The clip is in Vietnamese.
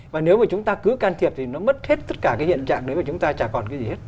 và nếu mà chúng ta cứ can thiệp thì nó mất hết tất cả cái hiện trạng đấy và chúng ta chả còn cái gì hết